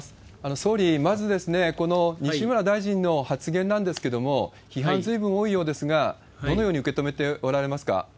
総理、まずこの西村大臣の発言なんですけども、批判ずいぶん多いようですが、どのように受け止めておられますか？